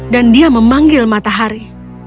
dan dia memanggil matahari